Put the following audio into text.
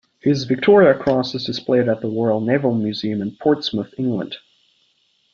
His Victoria Cross is displayed at the Royal Naval Museum, in Portsmouth, England.